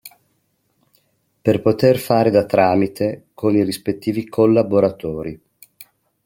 Per poter fare da tramite con i rispettivi collaboratori.